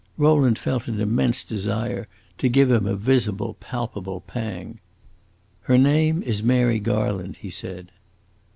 Rowland felt an immense desire to give him a visible, palpable pang. "Her name is Mary Garland," he said.